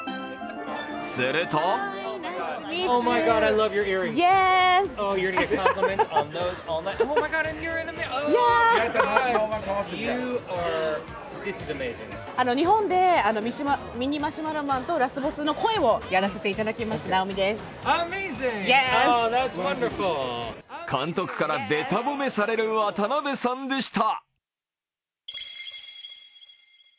すると監督からべた褒めされる渡辺さんでした。